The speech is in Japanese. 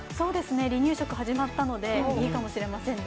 離乳食始まったのでいいかもしれませんね。